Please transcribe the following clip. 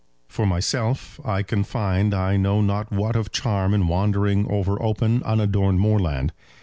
For myself, I can find I know not what of charm in wandering over open, unadorned moorland.